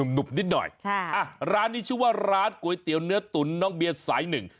หนุ่มนิดหน่อยค่ะอ่ะร้านนี้ชื่อว่าร้านก๋วยเตี๋ยวเนื้อตุ๋นน้องเบียร์สายหนึ่ง